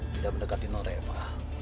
tidak mendekati nont reva